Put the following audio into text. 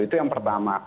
itu yang pertama